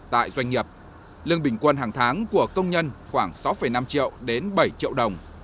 tại doanh nghiệp lương bình quân hàng tháng của công nhân khoảng sáu năm triệu đến bảy triệu đồng